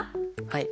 はい。